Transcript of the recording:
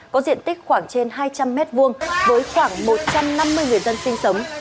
có diện tích khoảng trên hai trăm linh m hai với khoảng một trăm năm mươi người dân sinh sống